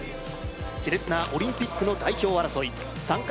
熾烈なオリンピックの代表争い参加